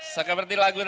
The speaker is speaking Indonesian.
saga berdilagun tadi